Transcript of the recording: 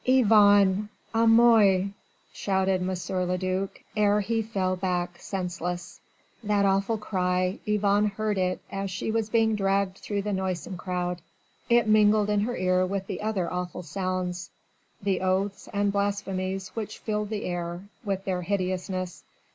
"Yvonne! A moi!" shouted M. le duc ere he fell back senseless. That awful cry, Yvonne heard it as she was being dragged through the noisome crowd. It mingled in her ear with the other awful sounds the oaths and blasphemies which filled the air with their hideousness.